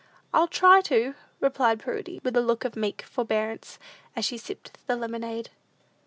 "I'll try to," replied Prudy, with a look of meek forbearance, as she sipped the lemonade.